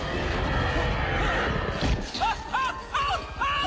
あっ！